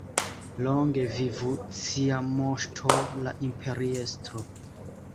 Longe vivu cia Moŝto, la Imperiestro!